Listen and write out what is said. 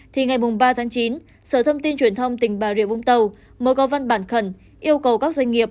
thì ngày ba tháng chín sở thông tin truyền thông tỉnh bà rịa bông tàu mở câu văn bản khẩn yêu cầu các doanh nghiệp